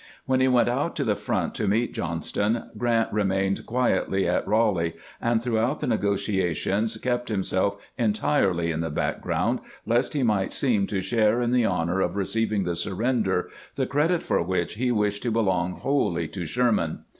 "When he went out to the front to meet Johnston, Grant remained quietly at Ealeigh, and throughout the negotiations kept himself entirely in the background, lest he might seem to share in the honor of receiving the surrender, the credit for which he wished to belong wholly to Sherman.